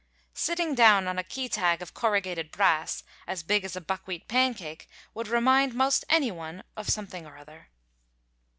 Sitting down on a key tag of corrugated brass, as big as a buckwheat pancake, would remind most anyone of something or other.